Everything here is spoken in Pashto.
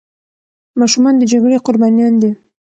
ماشومان د جګړې قربانيان دي.